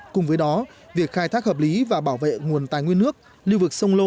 cùng với đó việc khai thác hợp lý và bảo vệ nguồn tài nguyên nước lưu vực sông lô